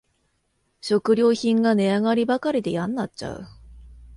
食料品が値上がりばかりでやんなっちゃう